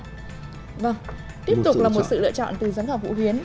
tiếp tục là một sự lựa chọn từ giám khảo vũ huyến